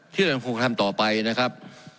ที่เรายังคงทำต่อไปนะครับ